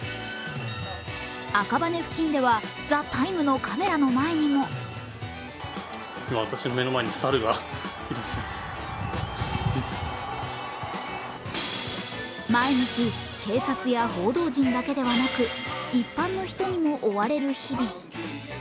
赤羽付近では「ＴＨＥＴＩＭＥ，」のカメラの前にも毎日、警察や報道陣だけではなく、一般の人にも追われる日々。